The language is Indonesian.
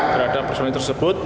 terhadap personel tersebut